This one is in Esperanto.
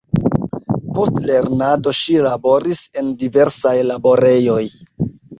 Post lernado ŝi laboris en diversaj laborejoj.